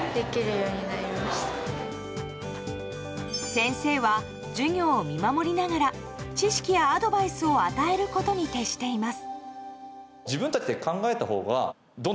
先生は授業を見守りながら知識やアドバイスを与えることに徹しています。